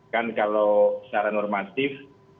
kan kalau secara normatif